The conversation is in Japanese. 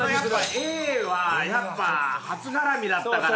Ａはやっぱ初絡みだったから。